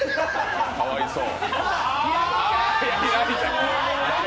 かわいそう。